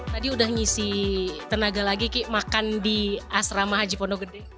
tadi udah ngisi tenaga lagi ki makan di asrama haji pondok gede